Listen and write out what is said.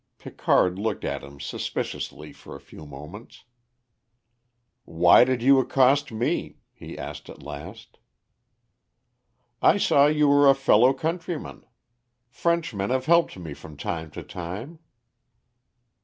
Picard looked at him suspiciously for a few moments. "Why did you accost me?" he asked at last. "I saw you were a fellow countryman; Frenchmen have helped me from time to time."